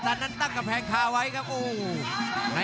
รับทราบบรรดาศักดิ์